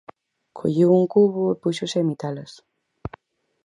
Colleu un cubo e púxose a imitalas.